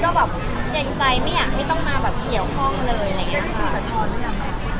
แต่พี่ก็แบบแยงใจไม่อยากให้ต้องมาแบบเหี่ยวคล่องเลยอะไรอย่างเงี้ยค่ะ